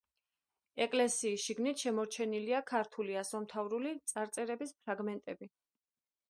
ეკლესიის შიგნით შემორჩენილია ქართული ასომთავრული წარწერების ფრაგმენტები.